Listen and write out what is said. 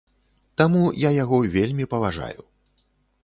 Таму я яго вельмі паважаю.